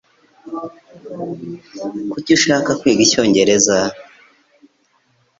Kuki ushaka kwiga icyongereza?